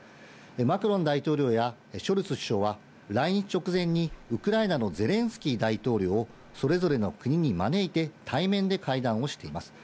マクロン大統領やショルツ首相は、来日直前に、ウクライナのゼレンスキー大統領をそれぞれの国に招いて、対面で会談をしています。